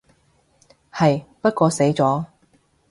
係，不過死咗